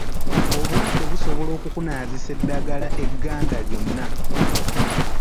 Obulwadde busobola okukunaazisa eddagala egganda lyonna.